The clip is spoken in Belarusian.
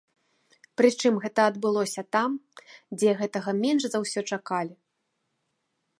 Прычым гэта адбылося там, дзе гэтага менш за ўсё чакалі.